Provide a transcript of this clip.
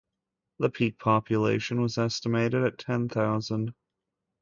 The peak population was estimated at ten thousand.